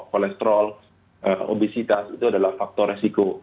kolektrol obesitas itu adalah faktor risiko